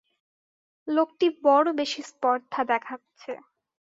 লোকটি বড় বেশি স্পর্ধা দেখাচ্ছে।